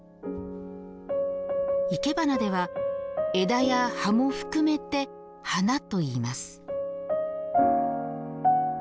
いけばなでは枝や葉も含めて「花」といいます。